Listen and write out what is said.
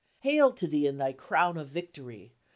Hail to thee in thy crown of victory